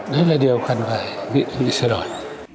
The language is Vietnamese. đó là điều cần phải nghĩ xử đổi